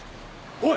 おい！